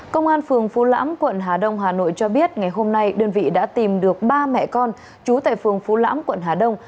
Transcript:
công an phường phú lãm quận hà đông hà nội cho biết ngày hôm nay đơn vị đã tìm được ba mẹ con chú tại phường phú lãm quận hà đông